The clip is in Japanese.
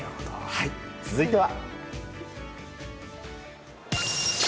続いては。